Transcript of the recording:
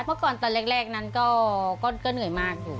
เมื่อก่อนตอนแรกนั้นก็เหนื่อยมากอยู่